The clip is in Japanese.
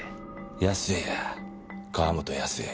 康江や川本康江。